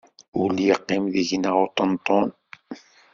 Ur d-iqqim deg-neɣ uṭenṭun.